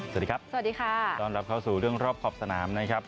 สวัสดีครับสวัสดีค่ะต้อนรับเข้าสู่เรื่องรอบขอบสนามนะครับ